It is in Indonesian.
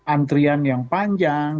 antrian yang panjang